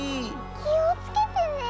きをつけてね。